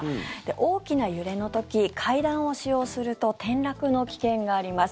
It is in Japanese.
大きな揺れの時階段を使用すると転落の危険があります。